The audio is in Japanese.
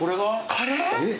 カレー？